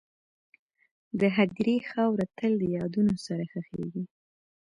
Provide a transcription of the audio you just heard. د هدیرې خاوره تل د یادونو سره ښخېږي..